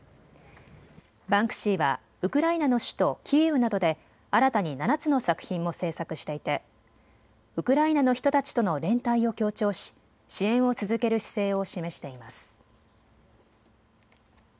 バンクシーはウクライナの首都キーウなどで新たに７つの作品も制作していてウクライナの人たちとの連帯を強調し支援を続ける姿勢を示しています。